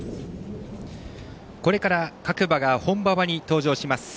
これから各馬が本馬場に登場します。